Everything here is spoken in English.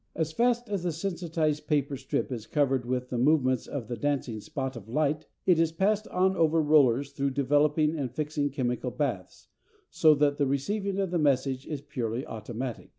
As fast as the sensitised paper strip is covered with the movements of the dancing spot of light it is passed on over rollers through developing and fixing chemical baths; so that the receiving of messages is purely automatic.